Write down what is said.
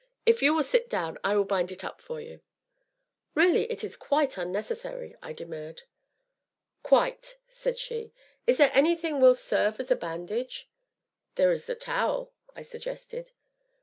"If you will sit down, I will bind it up for you." "Really, it is quite unnecessary," I demurred. "Quite!" said she; "is there anything will serve as a bandage?" "There is the towel!" I suggested.